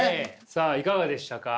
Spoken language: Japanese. さあいかがでしたか？